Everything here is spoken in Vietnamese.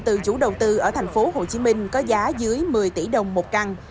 các chủ đầu tư ở thành phố hồ chí minh có giá dưới một mươi tỷ đồng một căn